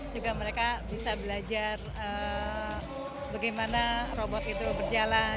juga mereka bisa belajar bagaimana robot itu berjalan